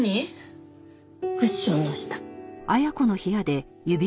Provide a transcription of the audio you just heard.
クッションの下。